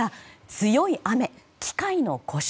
強い雨、機械の故障。